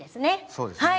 そうですね。